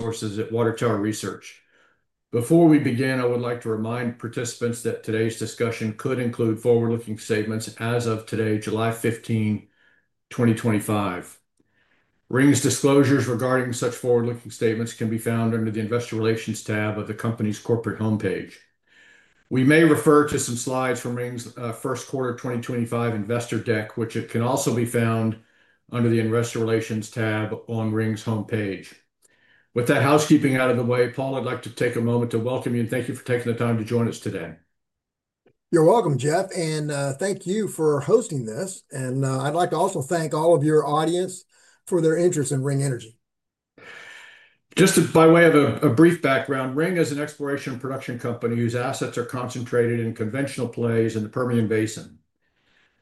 Sources at Water Tower Research. Before we begin, I would like to remind participants that today's discussion could include forward-looking statements as of today, July 15, 2025. Ring's disclosures regarding such forward-looking statements can be found under the Investor Relations tab of the company's corporate homepage. We may refer to some slides from Ring's first quarter 2025 investor deck, which can also be found under the Investor Relations tab on Ring's homepage. With that housekeeping out of the way, Paul, I'd like to take a moment to welcome you and thank you for taking the time to join us today. You're welcome, Jeff, thank you for hosting this. I'd like to also thank all of your audience for their interest in Ring Energy. Just by way of a brief background, Ring Energy is an exploration and production company whose assets are concentrated in conventional plays in the Permian Basin.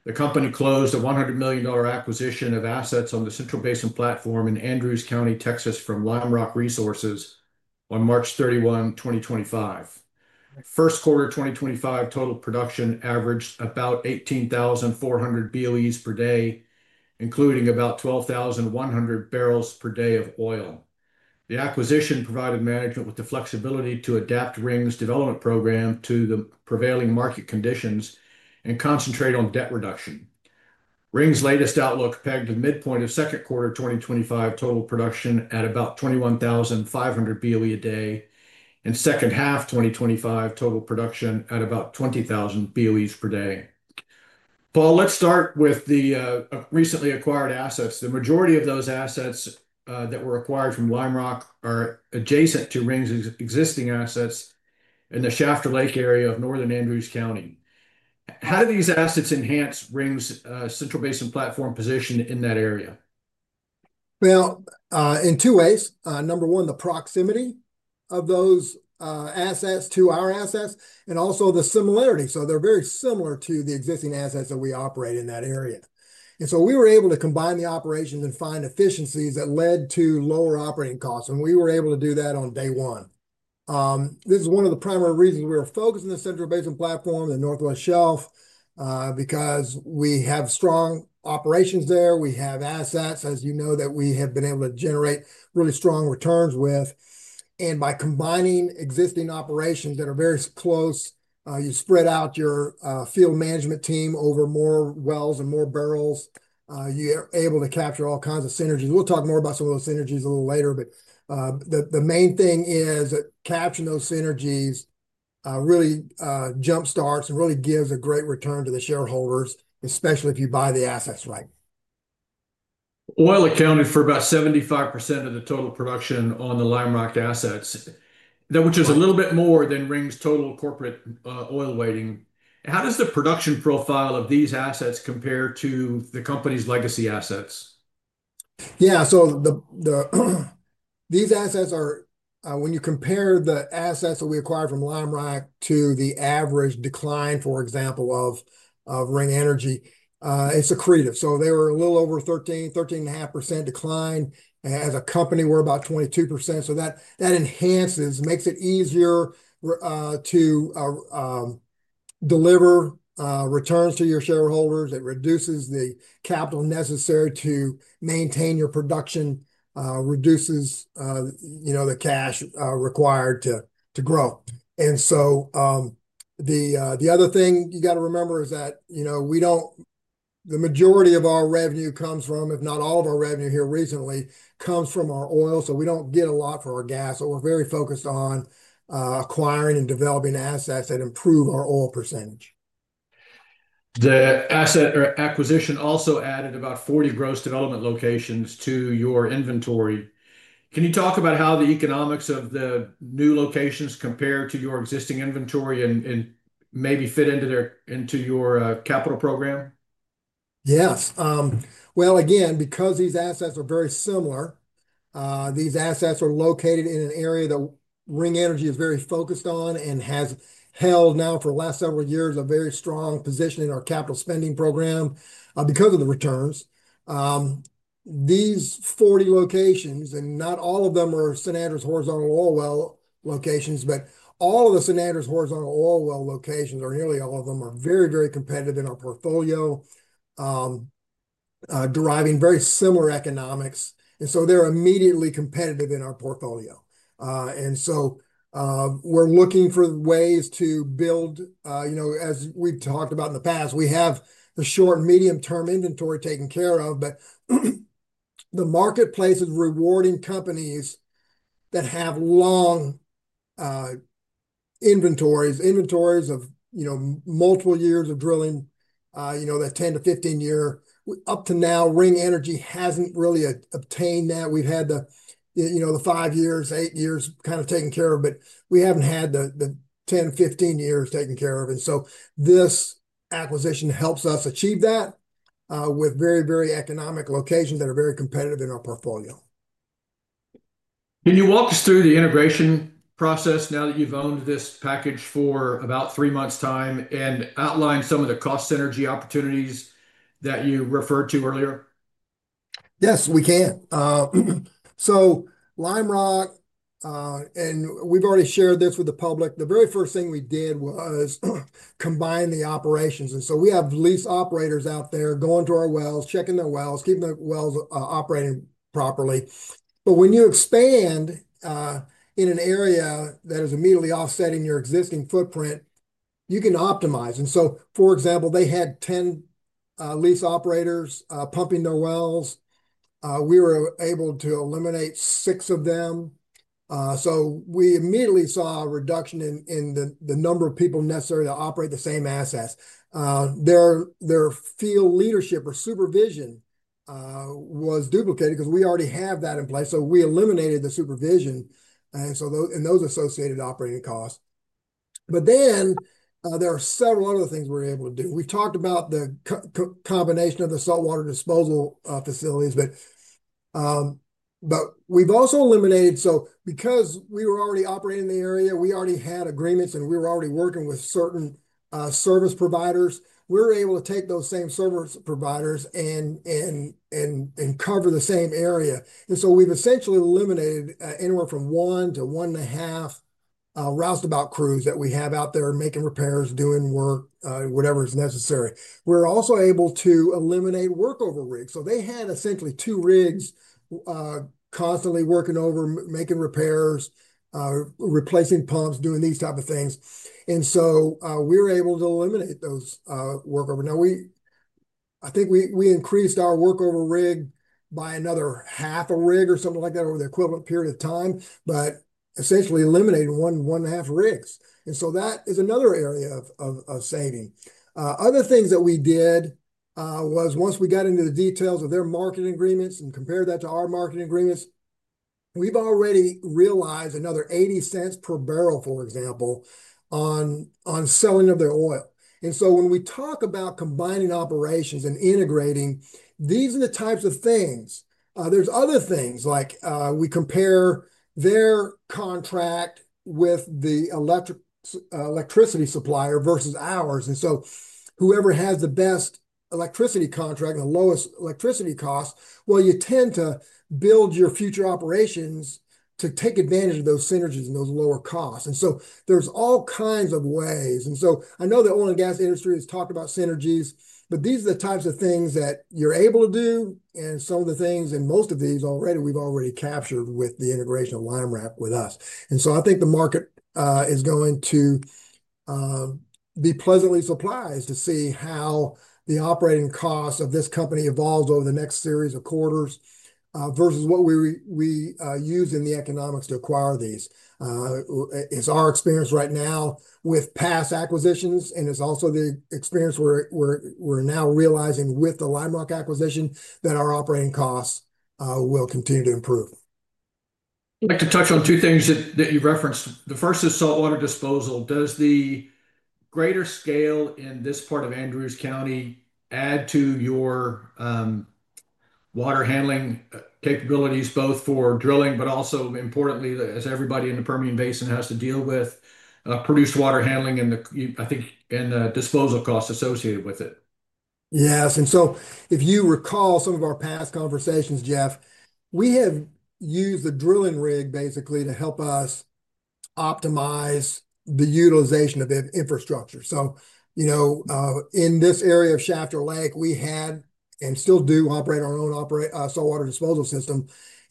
The company closed a $100 million acquisition of assets on the Central Basin Platform in Andrews County, Texas, from Lime Rock Resources on March 31, 2025. First quarter 2025 total production averaged about 18,400 BOE/D, including about 12,100 bpd of oil. The acquisition provided management with the flexibility to adapt Ring Energy's development program to the prevailing market conditions and concentrate on debt reduction. Ring Energy's latest outlook pegged the midpoint of second quarter 2025 total production at about 21,500 BOE/D and second half 2025 total production at about 20,000 BOE/D. Paul, let's start with the recently acquired assets. The majority of those assets that were acquired from Lime Rock are adjacent to Ring Energy's existing assets in the Shafter Lake area of northern Andrews County. How do these assets enhance Ring Energy's Central Basin Platform position in that area? In two ways. Number one, the proximity of those assets to our assets, and also the similarity. They're very similar to the existing assets that we operate in that area. We were able to combine the operations and find efficiencies that led to lower operating costs, and we were able to do that on day one. This is one of the primary reasons we were focused on the Central Basin Platform, the Northwest Shelf, because we have strong operations there. We have assets, as you know, that we have been able to generate really strong returns with. By combining existing operations that are very close, you spread out your field management team over more wells and more barrels. You are able to capture all kinds of synergies. We'll talk more about some of those synergies a little later, but the main thing is that capturing those synergies really jump starts and really gives a great return to the shareholders, especially if you buy the assets right. Oil accounted for about 75% of the total production on the Lime Rock assets, which is a little bit more than Ring's total corporate oil weighting. How does the production profile of these assets compare to the company's legacy assets? Yeah, so these assets are, when you compare the assets that we acquired from Lime Rock to the average decline, for example, of Ring Energy, it's secretive. They were a little over 13%-13.5% decline. As a company, we're about 22%. That enhances, makes it easier to deliver returns to your shareholders. It reduces the capital necessary to maintain your production, reduces the cash required to grow. The other thing you got to remember is that, you know, we don't, the majority of our revenue comes from, if not all of our revenue here recently, comes from our oil. We don't get a lot for our gas. We're very focused on acquiring and developing assets that improve our oil percentage. The asset or acquisition also added about 40 gross development locations to your inventory. Can you talk about how the economics of the new locations compare to your existing inventory and maybe fit into your capital program? Yes. Again, because these assets are very similar, these assets are located in an area that Ring Energy is very focused on and has held now for the last several years a very strong position in our capital spending program because of the returns. These 40 locations, and not all of them are St. Andrews horizontal oil well locations, but all of the St. Andrews horizontal oil well locations, or nearly all of them, are very, very competitive in our portfolio, deriving very similar economics. They're immediately competitive in our portfolio. We're looking for ways to build, you know, as we talked about in the past, we have the short and medium-term inventory taken care of, but the marketplace is rewarding companies that have long inventories, inventories of, you know, multiple years of drilling, you know, that 10 year-15 year. Up to now, Ring Energy hasn't really obtained that. We've had the, you know, the five years, eight years kind of taken care of, but we haven't had the 10, 15 years taken care of. This acquisition helps us achieve that with very, very economic locations that are very competitive in our portfolio. Can you walk us through the integration process now that you've owned this package for about three months' time and outline some of the cost synergy opportunities that you referred to earlier? Yes, we can. Lime Rock, and we've already shared this with the public, the very first thing we did was combine the operations. We have lease operators out there going to our wells, checking their wells, keeping the wells operating properly. When you expand in an area that is immediately offsetting your existing footprint, you can optimize. For example, they had 10 lease operators pumping their wells. We were able to eliminate six of them. We immediately saw a reduction in the number of people necessary to operate the same assets. Their field leadership or supervision was duplicated because we already have that in place. We eliminated the supervision and those associated operating costs. There are several other things we're able to do. We talked about the combination of the saltwater disposal facilities, but we've also eliminated, because we were already operating in the area, we already had agreements and we were already working with certain service providers. We were able to take those same service providers and cover the same area. We've essentially eliminated anywhere from one to one and a half roustabout crews that we have out there making repairs, doing work, whatever is necessary. We're also able to eliminate workover rigs. They had essentially two rigs constantly working over, making repairs, replacing pumps, doing these types of things. We were able to eliminate those workover. I think we increased our workover rig by another half a rig or something like that over the equivalent period of time, but essentially eliminated one and a half rigs. That is another area of saving. Other things that we did was once we got into the details of their marketing agreements and compared that to our marketing agreements, we've already realized another $0.80/bbl, for example, on selling of their oil. When we talk about combining operations and integrating, these are the types of things. There are other things like we compare their contract with the electricity supplier vs ours. Whoever has the best electricity contract and the lowest electricity cost, you tend to build your future operations to take advantage of those synergies and those lower costs. There are all kinds of ways. I know the oil and gas industry has talked about synergies, but these are the types of things that you're able to do. Some of the things in most of these already we've already captured with the integration of Lime Rock with us. I think the market is going to be pleasantly surprised to see how the operating costs of this company evolve over the next series of quarters vs what we use in the economics to acquire these. It's our experience right now with past acquisitions, and it's also the experience we're now realizing with the Lime Rock acquisition that our operating costs will continue to improve. I'd like to touch on two things that you referenced. The first is saltwater disposal. Does the greater scale in this part of Andrews County add to your water handling capabilities, both for drilling, but also importantly, as everybody in the Permian Basin has to deal with, produced water handling and the, I think, disposal costs associated with it? Yes, and if you recall some of our past conversations, Jeff, we have used the drilling rig basically to help us optimize the utilization of infrastructure. In this area of Shafter Lake, we had and still do operate our own saltwater disposal system.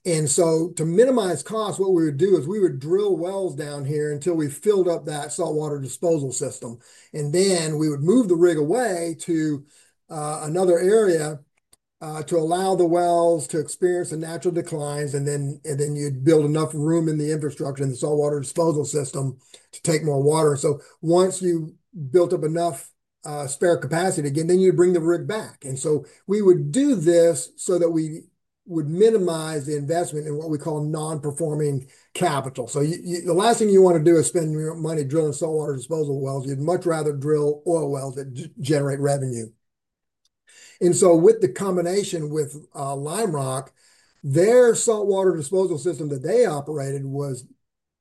To minimize costs, what we would do is drill wells down here until we filled up that saltwater disposal system. Then we would move the rig away to another area to allow the wells to experience the natural declines, and you'd build enough room in the infrastructure and the saltwater disposal system to take more water. Once you built up enough spare capacity again, then you'd bring the rig back. We would do this so that we would minimize the investment in what we call non-performing capital. The last thing you want to do is spend your money drilling saltwater disposal wells. You'd much rather drill oil wells that generate revenue. With the combination with Lime Rock, their saltwater disposal system that they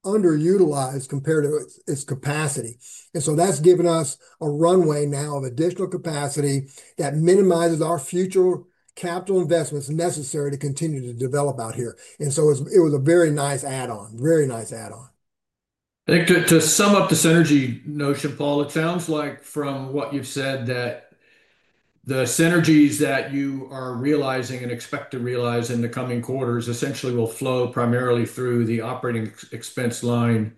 operated was underutilized compared to its capacity. That's given us a runway now of additional capacity that minimizes our future capital investments necessary to continue to develop out here. It was a very nice add-on, very nice add-on. I think to sum up the synergy notion, Paul, it sounds like from what you've said that the synergies that you are realizing and expect to realize in the coming quarters essentially will flow primarily through the operating expense line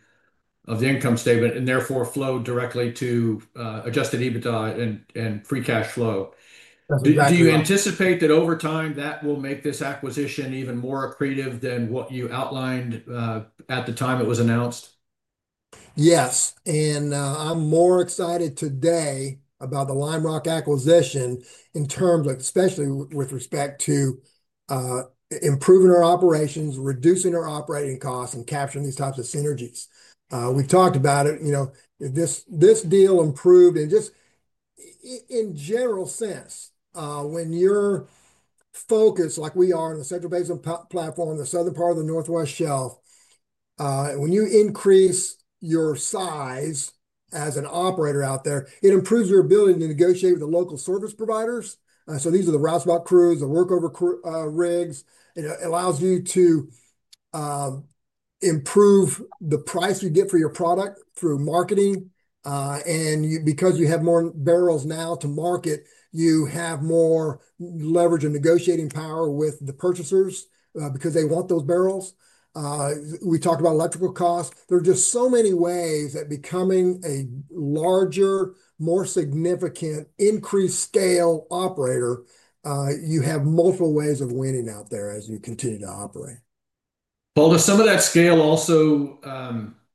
of the income statement and therefore flow directly to adjusted EBITDA and free cash flow. Do you anticipate that over time that will make this acquisition even more accretive than what you outlined at the time it was announced? Yes, and I'm more excited today about the Lime Rock acquisition in terms of especially with respect to improving our operations, reducing our operating costs, and capturing these types of synergies. We talked about it, you know, this deal improved and just in general sense, when you're focused like we are in the Central Basin Platform, the southern part of the Northwest Shelf, when you increase your size as an operator out there, it improves your ability to negotiate with the local service providers. These are the roustabout crews, the workover rigs. It allows you to improve the price you get for your product through marketing. Because you have more barrels now to market, you have more leverage and negotiating power with the purchasers because they want those barrels. We talked about electrical costs. There are just so many ways that becoming a larger, more significant, increased scale operator, you have multiple ways of winning out there as you continue to operate. Paul, does some of that scale also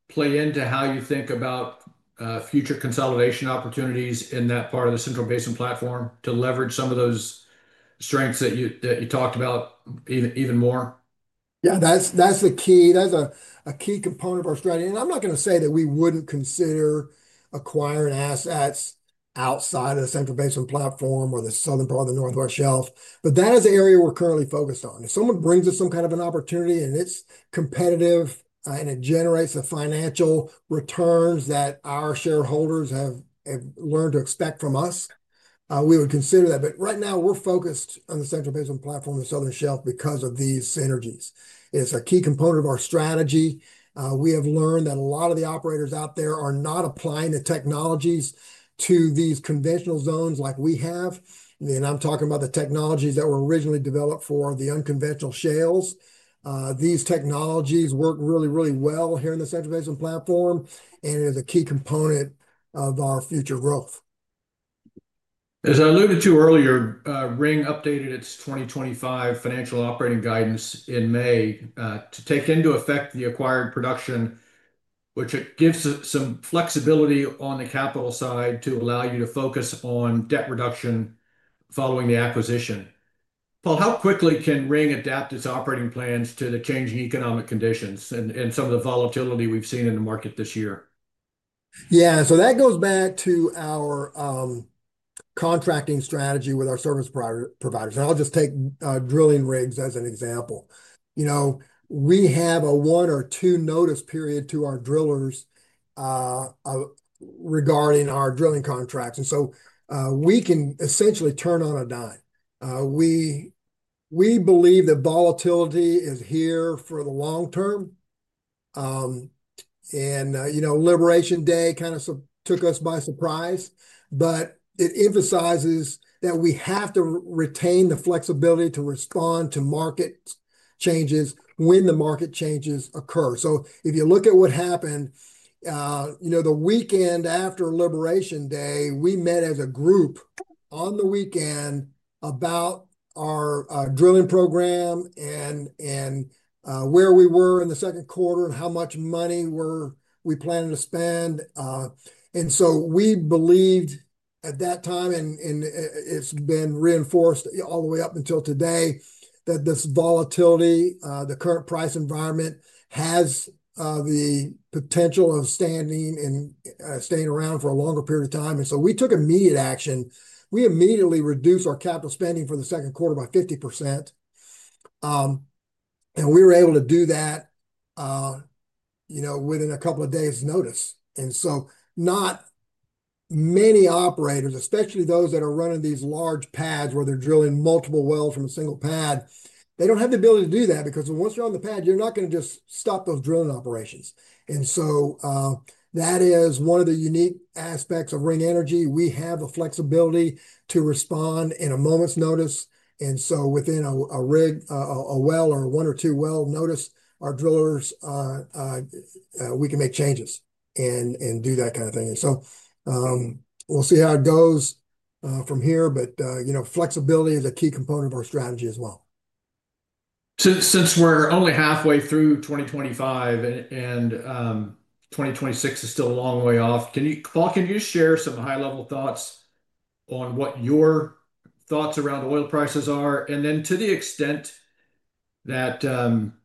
play into how you think about future consolidation opportunities in that part of the Central Basin Platform to leverage some of those strengths that you talked about even more? Yeah, that's the key. That's a key component of our strategy. I'm not going to say that we wouldn't consider acquiring assets outside of the Central Basin Platform or the southern part of the Northwest Shelf, but that is an area we're currently focused on. If someone brings us some kind of an opportunity and it's competitive and it generates the financial returns that our shareholders have learned to expect from us, we would consider that. Right now, we're focused on the Central Basin Platform and the Southern Shelf because of these synergies. It's a key component of our strategy. We have learned that a lot of the operators out there are not applying the technologies to these conventional zones like we have. I'm talking about the technologies that were originally developed for the unconventional shales. These technologies work really, really well here in the Central Basin Platform, and it is a key component of our future growth. As I alluded to earlier, Ring updated its 2025 financial operating guidance in May to take into effect the acquired production, which gives some flexibility on the capital side to allow you to focus on debt reduction following the acquisition. Paul, how quickly can Ring adapt its operating plans to the changing economic conditions and some of the volatility we've seen in the market this year? Yeah, so that goes back to our contracting strategy with our service providers. I'll just take drilling rigs as an example. We have a one or two notice period to our drillers regarding our drilling contracts, so we can essentially turn on a dime. We believe that volatility is here for the long term. Liberation Day kind of took us by surprise, but it emphasizes that we have to retain the flexibility to respond to market changes when the market changes occur. If you look at what happened the weekend after Liberation Day, we met as a group on the weekend about our drilling program and where we were in the second quarter and how much money we're planning to spend. We believed at that time, and it's been reinforced all the way up until today, that this volatility, the current price environment, has the potential of standing and staying around for a longer period of time. We took immediate action. We immediately reduced our capital spending for the second quarter by 50%. We were able to do that within a couple of days' notice. Not many operators, especially those that are running these large pads where they're drilling multiple wells from a single pad, have the ability to do that because once you're on the pad, you're not going to just stop those drilling operations. That is one of the unique aspects of Ring Energy. We have the flexibility to respond in a moment's notice. Within a rig, a well, or one or two well notice, our drillers, we can make changes and do that kind of thing. We'll see how it goes from here, but flexibility is a key component of our strategy as well. Since we're only halfway through 2025 and 2026 is still a long way off, Paul, can you just share some high-level thoughts on what your thoughts around oil prices are? To the extent that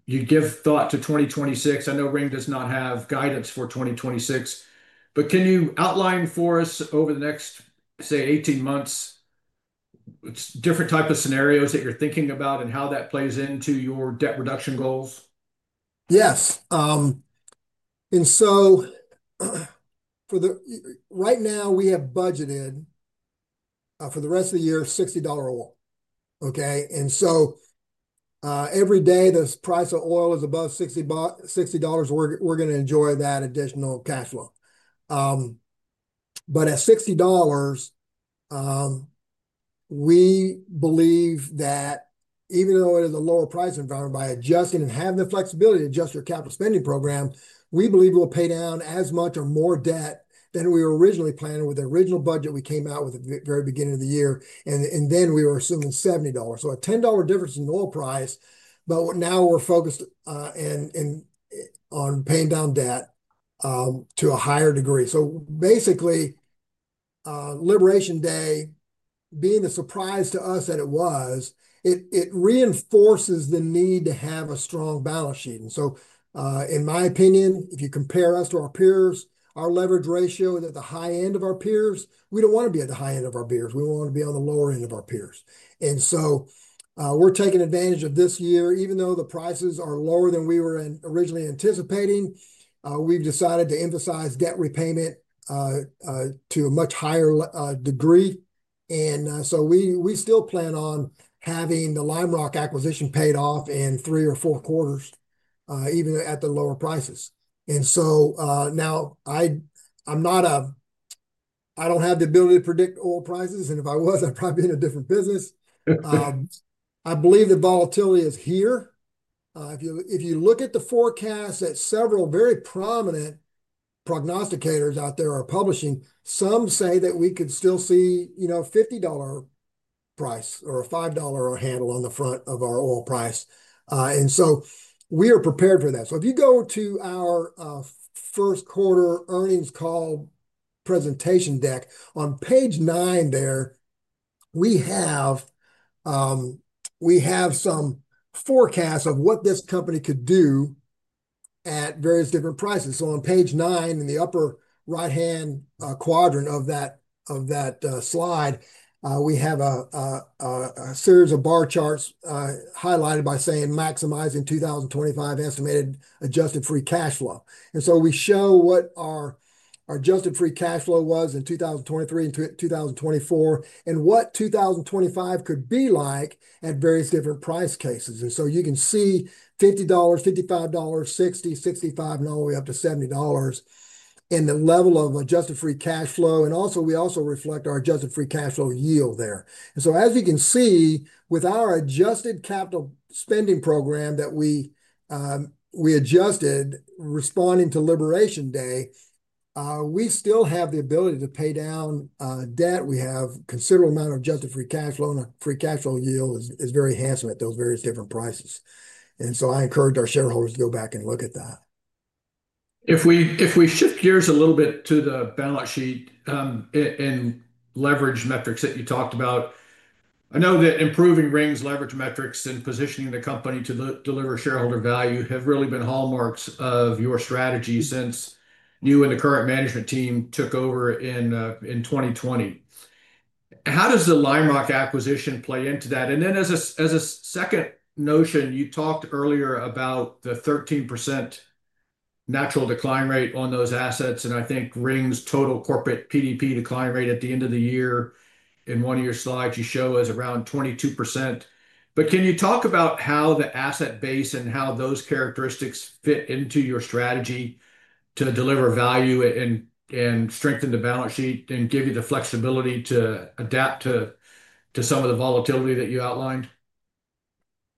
you give thought to 2026, I know Ring does not have guidance for 2026, but can you outline for us over the next, say, 18 months, different types of scenarios that you're thinking about and how that plays into your debt reduction goals? Yes. Right now we have budgeted for the rest of the year $60 oil. Every day the price of oil is above $60, we're going to enjoy that additional cash flow. At $60, we believe that even though it is a lower price environment, by adjusting and having the flexibility to adjust your capital spending program, we believe we'll pay down as much or more debt than we originally planned with the original budget we came out with at the very beginning of the year. We were assuming $70. A $10 difference in oil price, but now we're focused on paying down debt to a higher degree. Basically, Liberation Day, being the surprise to us that it was, reinforces the need to have a strong balance sheet. In my opinion, if you compare us to our peers, our leverage ratio is at the high end of our peers. We don't want to be at the high end of our peers. We want to be on the lower end of our peers. We're taking advantage of this year, even though the prices are lower than we were originally anticipating, we've decided to emphasize debt repayment to a much higher degree. We still plan on having the Lime Rock acquisition paid off in three or four quarters, even at the lower prices. I'm not a, I don't have the ability to predict oil prices, and if I was, I'd probably be in a different business. I believe the volatility is here. If you look at the forecast that several very prominent prognosticators out there are publishing, some say that we could still see, you know, a $50 price or a $5 handle on the front of our oil price. We are prepared for that. If you go to our first quarter earnings call presentation deck, on page nine there, we have some forecasts of what this company could do at various different prices. On page nine in the upper right-hand quadrant of that slide, we have a series of bar charts highlighted by saying maximizing 2025 estimated adjusted free cash flow. We show what our adjusted free cash flow was in 2023 and 2024, and what 2025 could be like at various different price cases. You can see $50, $55, $60, $65, and all the way up to $70 in the level of adjusted free cash flow. We also reflect our adjusted free cash flow yield there. As you can see, with our adjusted capital spending program that we adjusted, responding to Liberation Day, we still have the ability to pay down debt. We have a considerable amount of adjusted free cash flow, and our free cash flow yield is very handsome at those various different prices. I encourage our shareholders to go back and look at that. If we shift gears a little bit to the balance sheet and leverage metrics that you talked about, I know that improving Ring Energy's leverage metrics and positioning the company to deliver shareholder value have really been hallmarks of your strategy since you and the current management team took over in 2020. How does the Lime Rock acquisition play into that? As a second notion, you talked earlier about the 13% natural decline rate on those assets. I think Ring Energy's total corporate PDP decline rate at the end of the year, in one of your slides, you show as around 22%. Can you talk about how the asset base and how those characteristics fit into your strategy to deliver value and strengthen the balance sheet and give you the flexibility to adapt to some of the volatility that you outlined?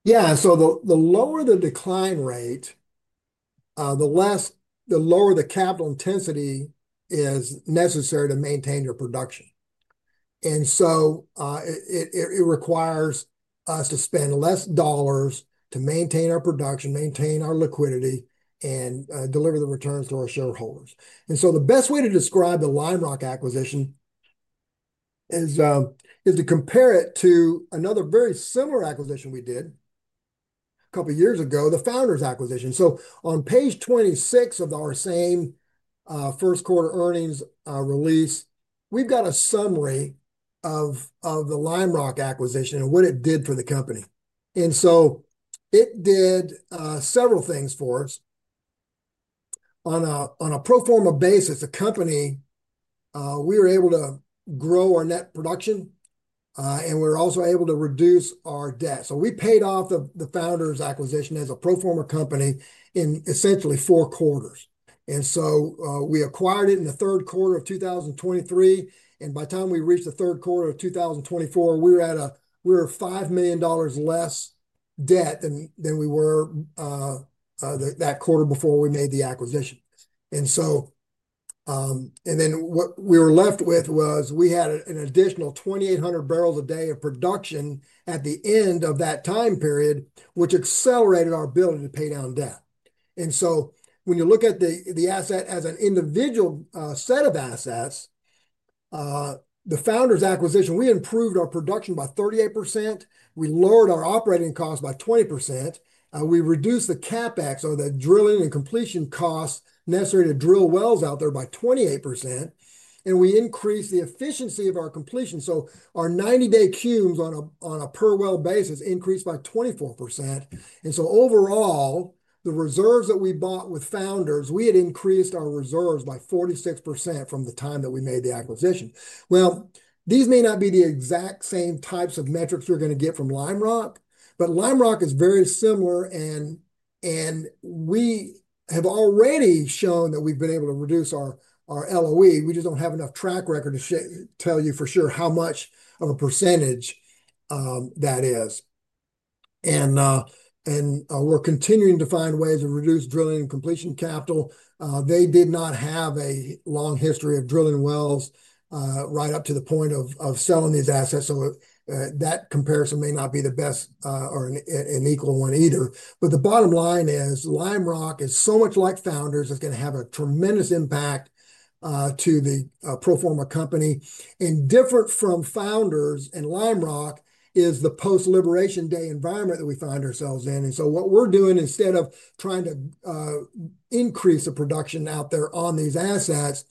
Yeah, the lower the decline rate, the lower the capital intensity is necessary to maintain your production. It requires us to spend less dollars to maintain our production, maintain our liquidity, and deliver the returns to our shareholders. The best way to describe the Lime Rock acquisition is to compare it to another very similar acquisition we did a couple of years ago, the Founders Acquisition. On page 26 of our same first quarter earnings release, we've got a summary of the Lime Rock acquisition and what it did for the company. It did several things for us. On a pro forma basis, we were able to grow our net production, and we were also able to reduce our debt. We paid off the Founders Acquisition as a pro forma company in essentially four quarters. We acquired it in the third quarter of 2023, and by the time we reached the third quarter of 2024, we were $5 million less debt than we were that quarter before we made the acquisition. What we were left with was an additional 2,800 bbl a day of production at the end of that time period, which accelerated our ability to pay down debt. When you look at the asset as an individual set of assets, the Founders Acquisition, we improved our production by 38%. We lowered our operating costs by 20%. We reduced the CapEx, or the drilling and completion costs necessary to drill wells out there, by 28%. We increased the efficiency of our completion. Our 90-day cubes on a per-well basis increased by 24%. Overall, the reserves that we bought with Founders, we had increased our reserves by 46% from the time that we made the acquisition. These may not be the exact same types of metrics you're going to get from Lime Rock, but Lime Rock is very similar. We have already shown that we've been able to reduce our LOE. We just don't have enough track record to tell you for sure how much of a percentage that is. We're continuing to find ways to reduce drilling and completion capital. They did not have a long history of drilling wells right up to the point of selling these assets. That comparison may not be the best or an equal one either. The bottom line is Lime Rock is so much like Founders that's going to have a tremendous impact to the pro forma company. Different from Founders and Lime Rock is the post-Liberation Day environment that we find ourselves in. What we're doing, instead of trying to increase the production out there on these assets,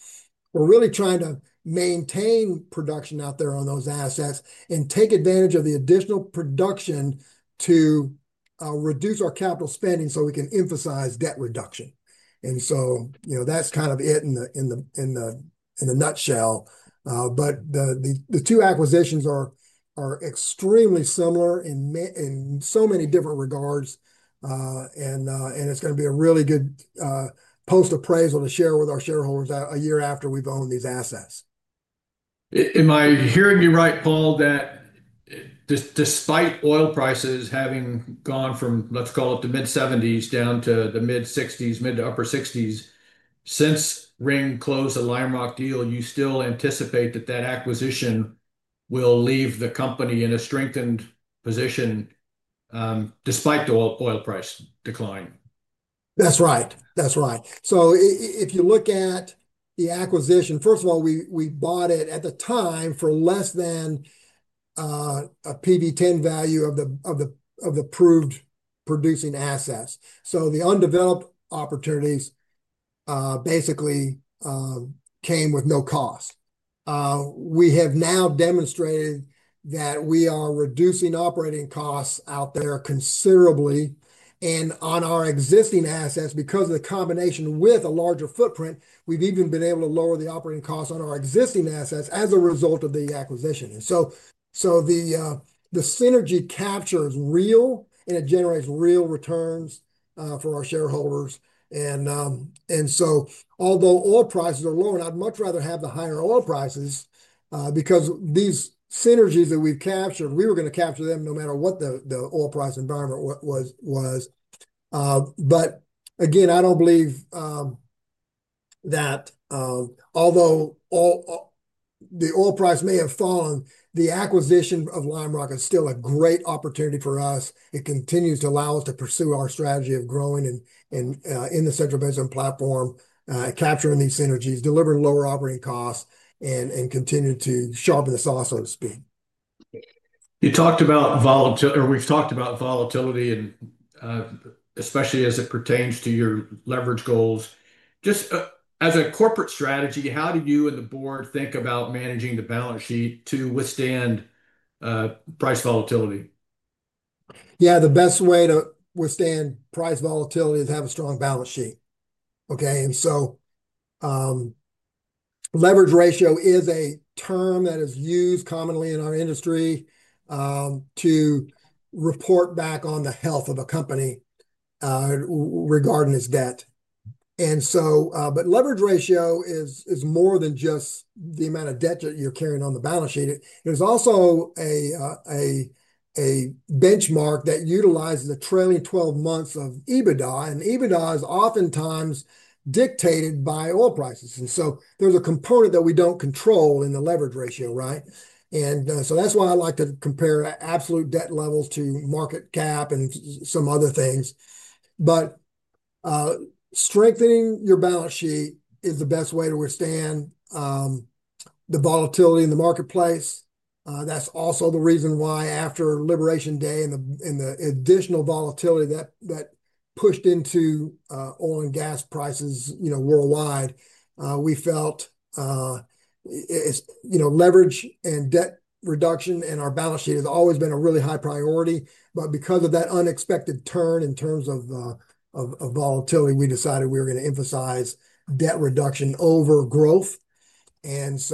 we're really trying to maintain production out there on those assets and take advantage of the additional production to reduce our capital spending so we can emphasize debt reduction. That's kind of it in a nutshell. The two acquisitions are extremely similar in so many different regards. It's going to be a really good post-appraisal to share with our shareholders a year after we've owned these assets. Am I hearing you right, Paul, that despite oil prices having gone from, let's call it, the mid-$70s down to the mid-$60s, mid to upper $60s, since Ring closed the Lime Rock deal, you still anticipate that that acquisition will leave the company in a strengthened position despite the oil price decline? That's right. That's right. If you look at the acquisition, first of all, we bought it at the time for less than a PV10 value of the approved producing assets. The undeveloped opportunities basically came with no cost. We have now demonstrated that we are reducing operating costs out there considerably. On our existing assets, because of the combination with a larger footprint, we've even been able to lower the operating costs on our existing assets as a result of the acquisition. The synergy capture is real, and it generates real returns for our shareholders. Although oil prices are lower, I'd much rather have the higher oil prices because these synergies that we've captured, we were going to capture them no matter what the oil price environment was. I don't believe that although the oil price may have fallen, the acquisition of Lime Rock is still a great opportunity for us. It continues to allow us to pursue our strategy of growing in the Central Basin Platform, capturing these synergies, delivering lower operating costs, and continuing to sharpen the saw, so to speak. You talked about, or we've talked about volatility, and especially as it pertains to your leverage goals. Just as a corporate strategy, how do you and the board think about managing the balance sheet to withstand price volatility? Yeah, the best way to withstand price volatility is to have a strong balance sheet. Leverage ratio is a term that is used commonly in our industry to report back on the health of a company regarding its debt. Leverage ratio is more than just the amount of debt that you're carrying on the balance sheet. It is also a benchmark that utilizes the trailing 12 months of EBITDA, and EBITDA is oftentimes dictated by oil prices. There is a component that we don't control in the leverage ratio, right? That's why I like to compare absolute debt levels to market cap and some other things. Strengthening your balance sheet is the best way to withstand the volatility in the marketplace. That's also the reason why after Liberation Day and the additional volatility that pushed into oil and gas prices worldwide, we felt leverage and debt reduction in our balance sheet has always been a really high priority. Because of that unexpected turn in terms of volatility, we decided we were going to emphasize debt reduction over growth. That's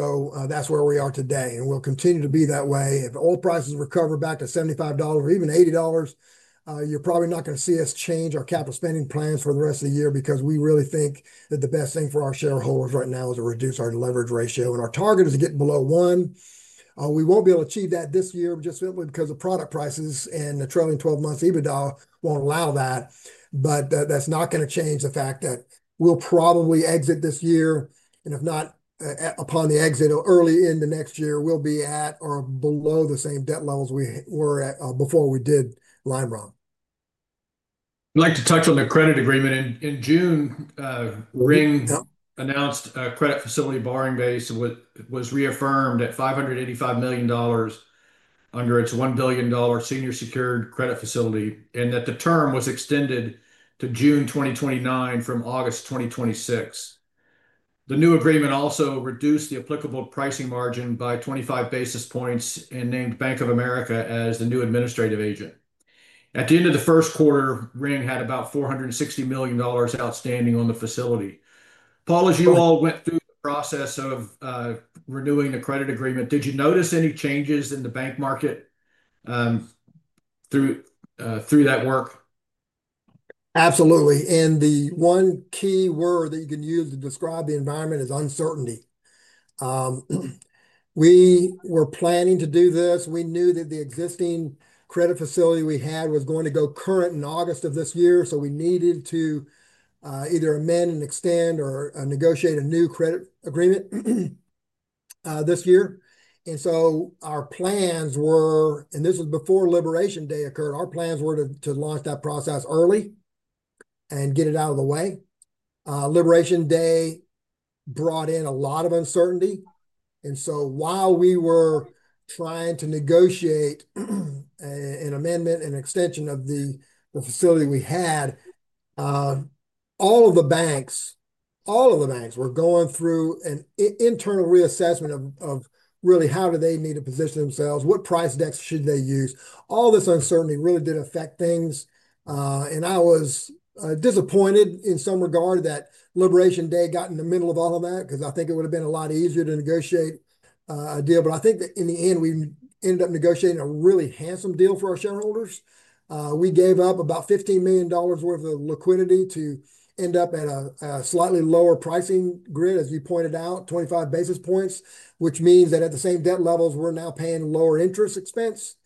where we are today, and we'll continue to be that way. If oil prices recover back to $75 or even $80, you're probably not going to see us change our capital spending plans for the rest of the year because we really think that the best thing for our shareholders right now is to reduce our leverage ratio. Our target is to get below one. We won't be able to achieve that this year just simply because of product prices and the trailing 12 months EBITDA won't allow that. That's not going to change the fact that we'll probably exit this year, and if not upon the exit or early into next year, we'll be at or below the same debt levels we were at before we did Lime Rock. I'd like to touch on the credit agreement. In June, Ring announced a credit facility borrowing base of what was reaffirmed at $585 million under its $1 billion senior secured credit facility, and that the term was extended to June 2029 from August 2026. The new agreement also reduced the applicable pricing margin by 25 basis points and named Bank of America as the new administrative agent. At the end of the first quarter, Ring had about $460 million outstanding on the facility. Paul, as you all went through the process of renewing the credit agreement, did you notice any changes in the bank market through that work? Absolutely. The one key word that you can use to describe the environment is uncertainty. We were planning to do this. We knew that the existing credit facility we had was going to go current in August of this year. We needed to either amend and extend or negotiate a new credit agreement this year. Our plans were, and this was before Liberation Day occurred, to launch that process early and get it out of the way. Liberation Day brought in a lot of uncertainty. While we were trying to negotiate an amendment and extension of the facility we had, all of the banks were going through an internal reassessment of really how they need to position themselves, what price decks should they use. All this uncertainty really did affect things. I was disappointed in some regard that Liberation Day got in the middle of all of that because I think it would have been a lot easier to negotiate a deal. I think that in the end, we ended up negotiating a really handsome deal for our shareholders. We gave up about $15 million worth of liquidity to end up at a slightly lower pricing grid, as you pointed out, 25 basis points, which means that at the same debt levels, we're now paying lower interest expense.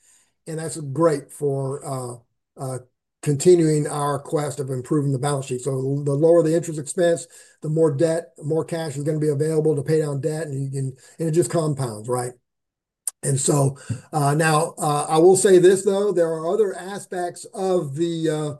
That's great for continuing our quest of improving the balance sheet. The lower the interest expense, the more debt, the more cash is going to be available to pay down debt, and it just compounds, right? I will say this, though, there are other aspects of the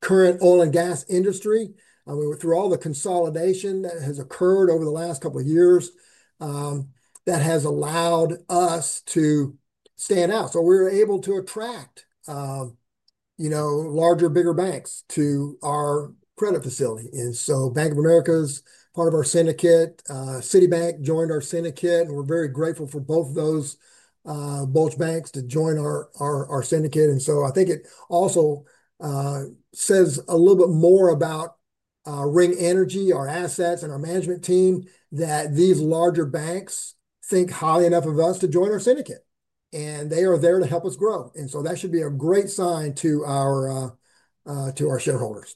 current oil and gas industry. Through all the consolidation that has occurred over the last couple of years, that has allowed us to stand out. We're able to attract larger, bigger banks to our credit facility. Bank of America is part of our syndicate. Citibank joined our syndicate, and we're very grateful for both of those bulge banks to join our syndicate. I think it also says a little bit more about Ring Energy, our assets, and our management team that these larger banks think highly enough of us to join our syndicate. They are there to help us grow. That should be a great sign to our shareholders.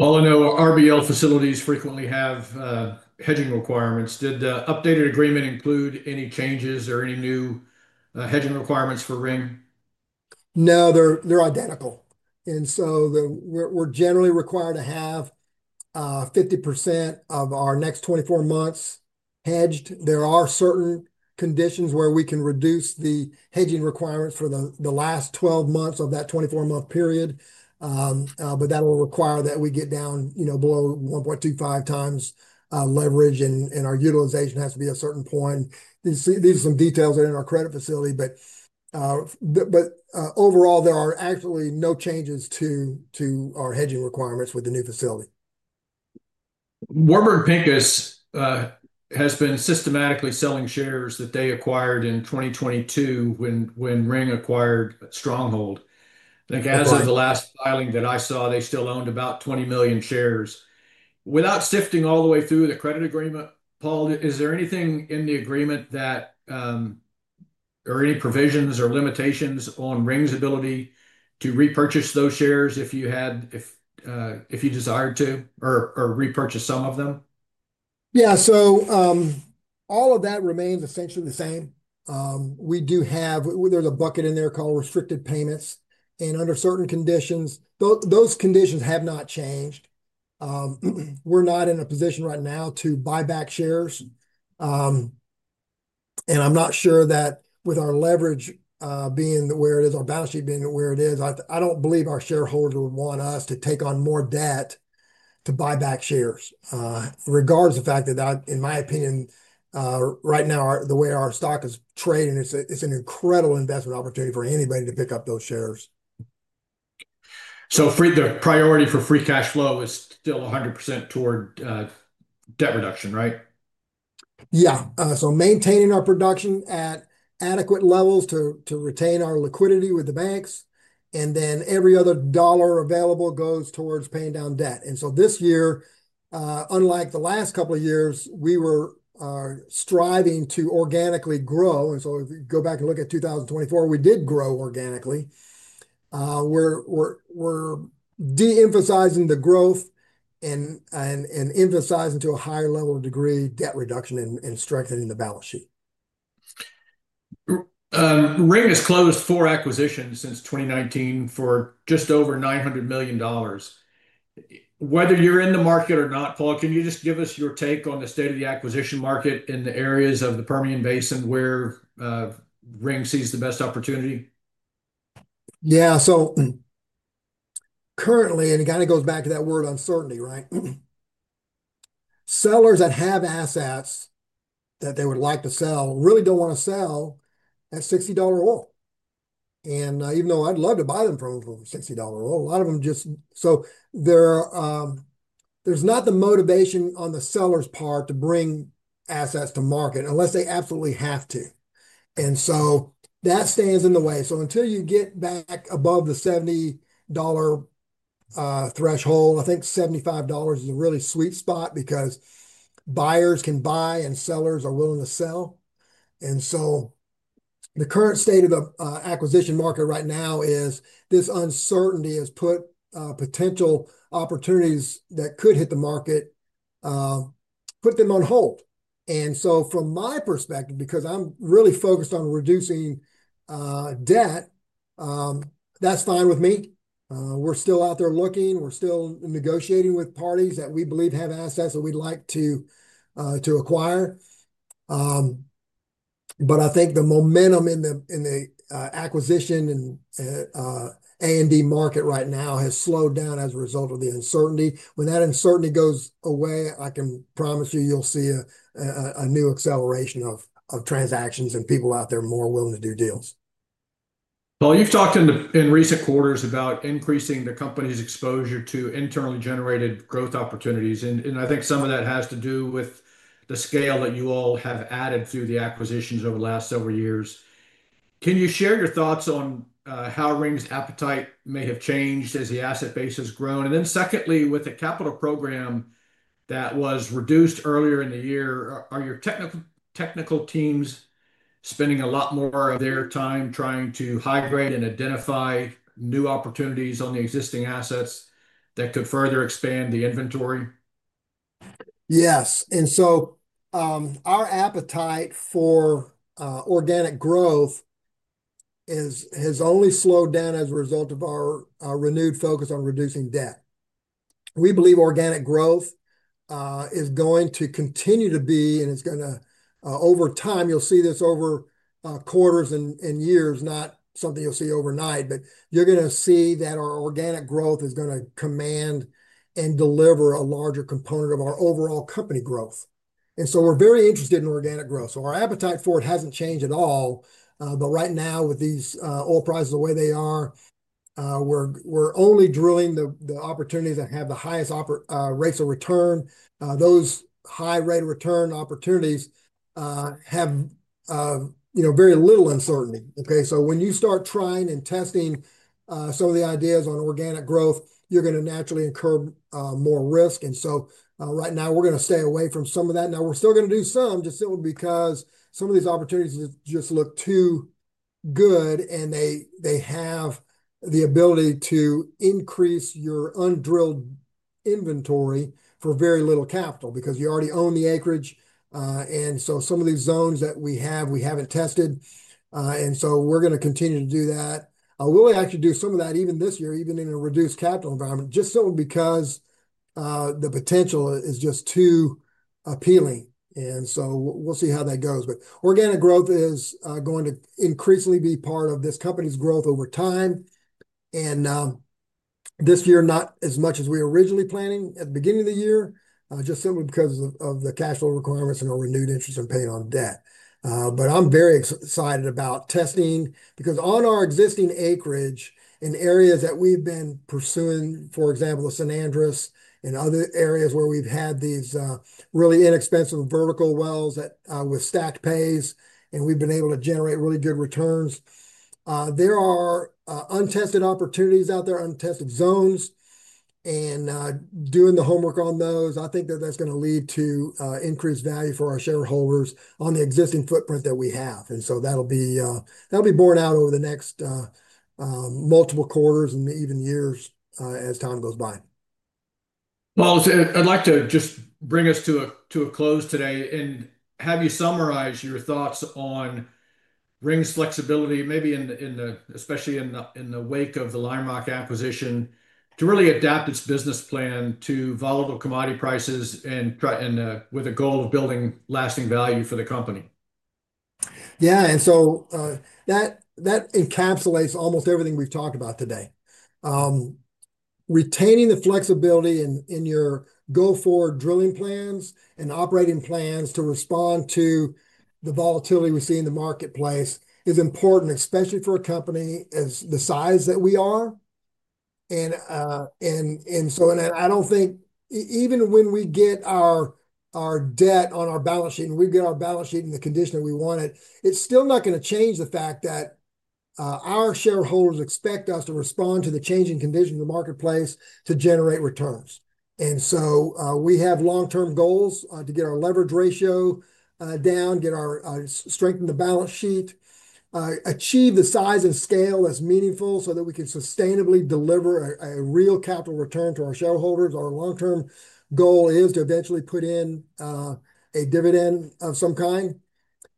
I know RBL facilities frequently have hedging requirements. Did the updated agreement include any changes or any new hedging requirements for Ring? No, they're identical. We're generally required to have 50% of our next 24 months hedged. There are certain conditions where we can reduce the hedging requirements for the last 12 months of that 24-month period. That will require that we get down below 1.25x leverage, and our utilization has to be a certain point. These are some details that are in our credit facility. Overall, there are actually no changes to our hedging requirements with the new facility. Warburg Pincus has been systematically selling shares that they acquired in 2022 when Ring Energy acquired Stronghold. I think as of the last filing that I saw, they still owned about 20 million shares. Without sifting all the way through the credit agreement, Paul, is there anything in the agreement, or any provisions or limitations on Ring Energy's ability to repurchase those shares if you had, if you desired to, or repurchase some of them? Yeah, so all of that remains essentially the same. We do have, there's a bucket in there called restricted payments. Under certain conditions, those conditions have not changed. We're not in a position right now to buy back shares. I'm not sure that with our leverage being where it is, our balance sheet being where it is, I don't believe our shareholders would want us to take on more debt to buy back shares. Regardless of the fact that, in my opinion, right now, the way our stock is trading, it's an incredible investment opportunity for anybody to pick up those shares. The priority for free cash flow is still 100% toward debt reduction, right? Yeah, maintaining our production at adequate levels to retain our liquidity with the banks, every other dollar available goes towards paying down debt. This year, unlike the last couple of years, we were striving to organically grow. If you go back and look at 2024, we did grow organically. We're de-emphasizing the growth and emphasizing to a higher level of degree debt reduction and strengthening the balance sheet. Ring Energy has closed four acquisitions since 2019 for just over $900 million. Whether you're in the market or not, Paul, can you just give us your take on the state of the acquisition market in the areas of the Permian Basin where Ring sees the best opportunity? Yeah, so currently, and it kind of goes back to that word uncertainty, right? Sellers that have assets that they would like to sell really don't want to sell at $60 oil. Even though I'd love to buy them for $60 oil, a lot of them just, so there's not the motivation on the seller's part to bring assets to market unless they absolutely have to. That stands in the way. Until you get back above the $70 threshold, I think $75 is a really sweet spot because buyers can buy and sellers are willing to sell. The current state of the acquisition market right now is this uncertainty has put potential opportunities that could hit the market, put them on hold. From my perspective, because I'm really focused on reducing debt, that's fine with me. We're still out there looking. We're still negotiating with parties that we believe have assets that we'd like to acquire. I think the momentum in the acquisition and A&D market right now has slowed down as a result of the uncertainty. When that uncertainty goes away, I can promise you you'll see a new acceleration of transactions and people out there more willing to do deals. Paul, you've talked in recent quarters about increasing the company's exposure to internally generated growth opportunities. I think some of that has to do with the scale that you all have added through the acquisitions over the last several years. Can you share your thoughts on how Ring's appetite may have changed as the asset base has grown? Secondly, with the capital program that was reduced earlier in the year, are your technical teams spending a lot more of their time trying to hydrate and identify new opportunities on the existing assets that could further expand the inventory? Yes, our appetite for organic growth has only slowed down as a result of our renewed focus on reducing debt. We believe organic growth is going to continue to be, and it's going to, over time, you'll see this over quarters and years, not something you'll see overnight, but you're going to see that our organic growth is going to command and deliver a larger component of our overall company growth. We are very interested in organic growth. Our appetite for it hasn't changed at all. Right now, with these oil prices the way they are, we're only drilling the opportunities that have the highest rates of return. Those high rate of return opportunities have very little uncertainty. When you start trying and testing some of the ideas on organic growth, you're going to naturally incur more risk. Right now, we're going to stay away from some of that. We're still going to do some just simply because some of these opportunities just look too good, and they have the ability to increase your undrilled inventory for very little capital because you already own the acreage. Some of these zones that we have, we haven't tested. We're going to continue to do that. We'll actually do some of that even this year, even in a reduced capital environment, just simply because the potential is just too appealing. We'll see how that goes. Organic growth is going to increasingly be part of this company's growth over time. This year, not as much as we were originally planning at the beginning of the year, just simply because of the cash flow requirements and our renewed interest in paying on debt. I'm very excited about testing because on our existing acreage in areas that we've been pursuing, for example, the San Andreas and other areas where we've had these really inexpensive vertical wells with stacked pays, and we've been able to generate really good returns. There are untested opportunities out there, untested zones. Doing the homework on those, I think that that's going to lead to increased value for our shareholders on the existing footprint that we have. That'll be borne out over the next multiple quarters and even years as time goes by. Paul, I'd like to just bring us to a close today and have you summarize your thoughts on Ring Energy's flexibility, maybe in the, especially in the wake of the Lime Rock acquisition, to really adapt its business plan to volatile commodity prices and with a goal of building lasting value for the company. Yeah, and so that encapsulates almost everything we've talked about today. Retaining the flexibility in your go-forward drilling plans and operating plans to respond to the volatility we see in the marketplace is important, especially for a company the size that we are. I don't think even when we get our debt on our balance sheet and we get our balance sheet in the condition that we want it, it's still not going to change the fact that our shareholders expect us to respond to the changing conditions of the marketplace to generate returns. We have long-term goals to get our leverage ratio down, get our strengthened balance sheet, achieve the size and scale that's meaningful so that we can sustainably deliver a real capital return to our shareholders. Our long-term goal is to eventually put in a dividend of some kind.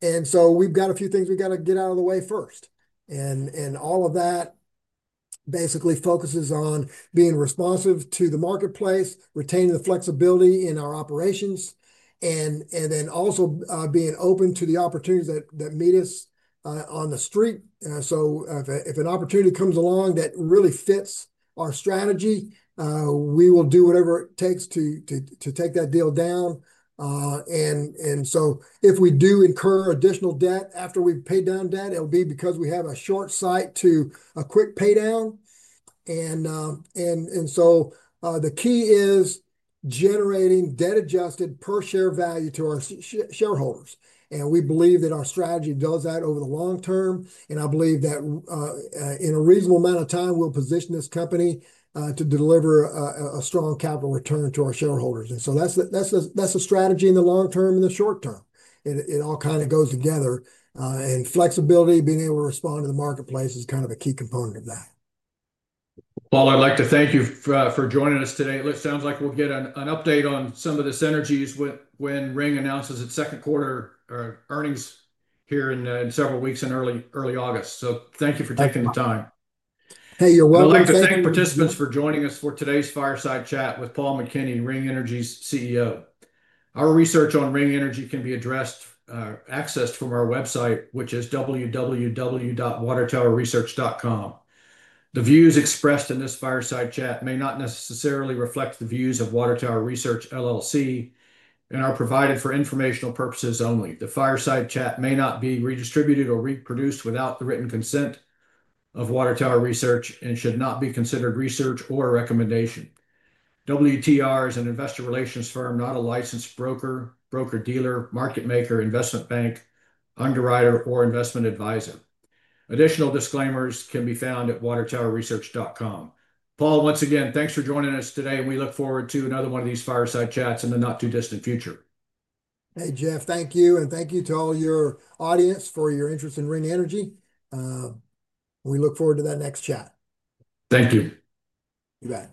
We've got a few things we've got to get out of the way first. All of that basically focuses on being responsive to the marketplace, retaining the flexibility in our operations, and then also being open to the opportunities that meet us on the street. If an opportunity comes along that really fits our strategy, we will do whatever it takes to take that deal down. If we do incur additional debt after we've paid down debt, it'll be because we have a short sight to a quick paydown. The key is generating debt-adjusted per-share value to our shareholders. We believe that our strategy does that over the long term. I believe that in a reasonable amount of time, we'll position this company to deliver a strong capital return to our shareholders. That's a strategy in the long term and the short term. It all kind of goes together. Flexibility, being able to respond to the marketplace is kind of a key component of that. Paul, I'd like to thank you for joining us today. It sounds like we'll get an update on some of the synergies when Ring announces its second quarter earnings here in several weeks in early August. Thank you for taking the time. Hey, you're welcome. I'd like to thank participants for joining us for today's Fireside Chat with Paul McKinney, Ring Energy's CEO. Our research on Ring Energy can be accessed from our website, which is www.watertowerresearch.com. The views expressed in this Fireside Chat may not necessarily reflect the views of Water Tower Research LLC and are provided for informational purposes only. The Fireside Chat may not be redistributed or reproduced without the written consent of Water Tower Research and should not be considered research or a recommendation. WTR is an investor relations firm, not a licensed broker, broker-dealer, market-maker, investment bank, underwriter, or investment advisor. Additional disclaimers can be found at watertowerresearch.com. Paul, once again, thanks for joining us today, and we look forward to another one of these Fireside Chats in the not-too-distant future. Hey, Jeff, thank you, and thank you to all your audience for your interest in Ring Energy. We look forward to that next chat. Thank you. You bet.